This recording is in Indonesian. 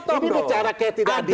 ini bicara kayak tidak adil